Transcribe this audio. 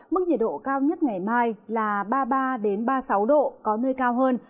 mức nhiệt độ cao nhất ngày mai là ba mươi ba ba mươi sáu độ có nơi cao hơn